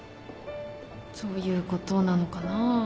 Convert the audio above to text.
そういうことなのかな。